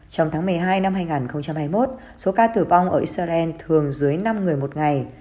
trong tháng một mươi hai năm hai nghìn hai mươi một số ca tử vong ở israel thường dưới năm người một ngày